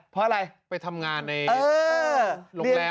เพราะอะไรไปทำงานในโรงแรม